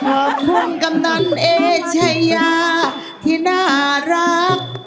ขอบคุณกำนันเอชายาที่น่ารัก